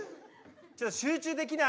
ちょっと集中できない。